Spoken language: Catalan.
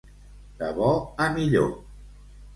De bo a millor.